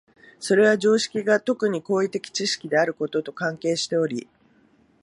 それは常識が特に行為的知識であることと関係しており、